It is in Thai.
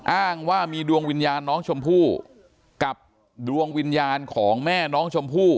อ้างว่ามีดวงวิญญาณน้องชมพู่กับดวงวิญญาณของแม่น้องชมพู่